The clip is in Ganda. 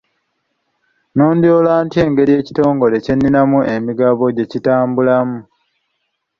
Nnondoola ntya engeri ekitongole kye nninamu emigabo gye kitambulamu?